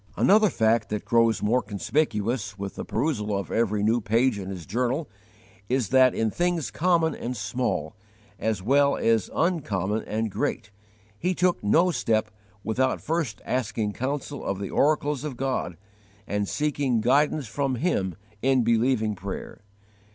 * Vol. I. 73. Another fact that grows more conspicuous with the perusal of every new page in his journal is that in things common and small, as well as uncommon and great, he took no step without first asking counsel of the oracles of God and seeking guidance from Him in believing prayer.